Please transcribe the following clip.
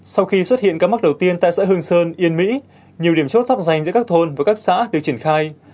sau khi xuất hiện các mắc đầu tiên tại xã hương sơn yên mỹ nhiều điểm chốt sắp dành giữa các thôn và các xã được triển khai